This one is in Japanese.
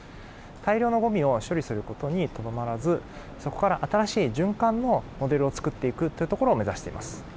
大量のごみを処理することにとどまらず、そこから新しい循環のモデルを作っていくというところを目指しています。